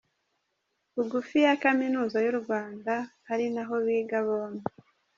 bugufi ya kaminuza yu Rwanda ari naho biga bombi.